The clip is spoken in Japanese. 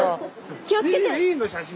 気をつけて！